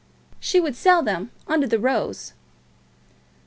"She would sell them under the rose."